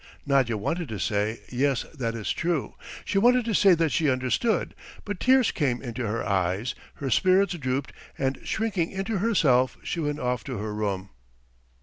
Nadya wanted to say "Yes, that is true"; she wanted to say that she understood, but tears came into her eyes, her spirits drooped, and shrinking into herself she went off to her room.